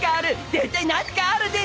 絶対何かあるでしょ。